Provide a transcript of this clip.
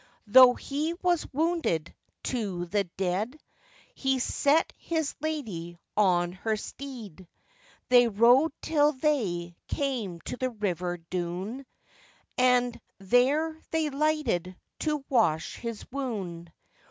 Though he was wounded to the deid, He set his lady on her steed. They rode till they came to the river Doune, And there they lighted to wash his wound.